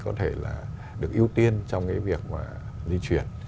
có thể là được ưu tiên trong cái việc mà di chuyển